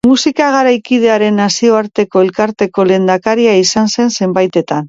Musika Garaikidearen Nazioarteko Elkarteko lehendakari izan zen zenbaitetan.